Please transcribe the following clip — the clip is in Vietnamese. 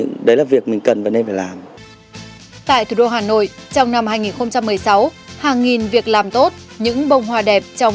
gặp hoàn cảnh như thế